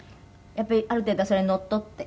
「やっぱりある程度それにのっとって」